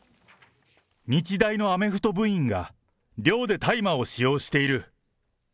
日大のアメフト部員が寮で大麻を使用している。